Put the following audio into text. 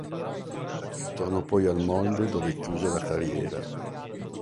Tornò poi al Molde, dove chiuse la carriera.